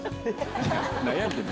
悩んでる。